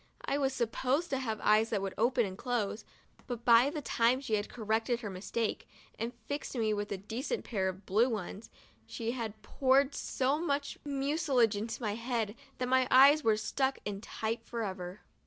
I was sup posed to have eyes that would open and close, but by the time she had corrected her mistake, and fixed me with a decent pair of blue ones, she had poured so much mucilage into my head that my eyes were stuck in tight forever.